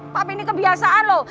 pami ini kebiasaan loh